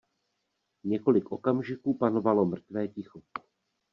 Několik okamžiků panovalo mrtvé ticho.